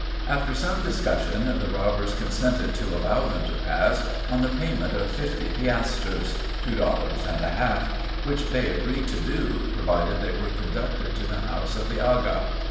After some discussion, the robbers consented to allow them to pass, on the payment of fifty piastres, (two dollars and a half,) which they agreed to do, provided they were conducted to the house of the Agha.